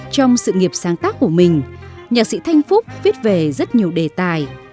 trong sự nghiệp sáng tác của mình nhạc sĩ thanh phúc viết về rất nhiều đề tài